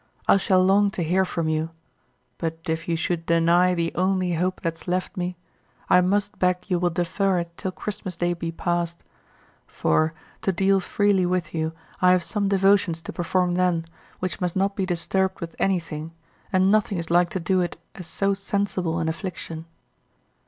I shall long to hear from you; but if you should deny the only hope that's left me, I must beg you will defer it till Christmas Day be past; for, to deal freely with you, I have some devotions to perform then, which must not be disturbed with anything, and nothing is like to do it as so sensible an affliction.